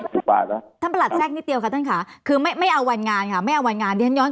ท่านประหลัดแทรกนิดเดียวค่ะท่านค่ะคือไม่เอาวันงานค่ะไม่เอาวันงานเนี่ย